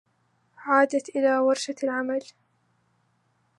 عادت إلى ورشة العمل.